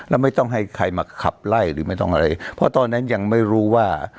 แล้วไม่ต้องให้ใครมาขับไล่หรือไม่ต้องอะไรเพราะตอนนั้นยังไม่รู้ว่า